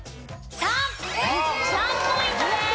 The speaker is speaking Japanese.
３ポイントです。